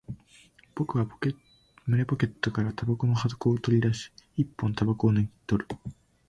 僕は胸ポケットから煙草の箱を取り出し、一本煙草を抜き取る